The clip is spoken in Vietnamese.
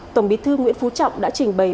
tổng bí thư nguyễn phú trọng đã trình bày